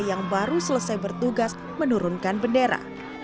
yang baru selesai bertugas menurunkan bendera